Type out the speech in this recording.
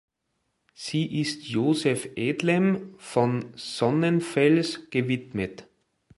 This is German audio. Sie ist Joseph Edlem von Sonnenfels gewidmet.